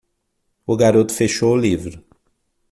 O garoto fechou o livro.